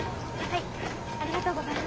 はい。